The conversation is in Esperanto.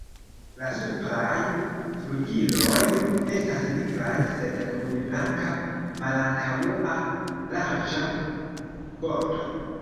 La supraj flugiloj estas nigraj sed kun blanka malantaŭa larĝa bordo.